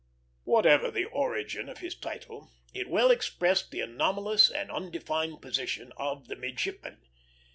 Whatever the origin of his title, it well expressed the anomalous and undefined position of the midshipman.